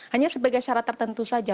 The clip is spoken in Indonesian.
hanya sebagai syarat tertentu saja